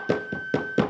di tempat lain